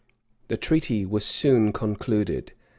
The treaty was soon concluded.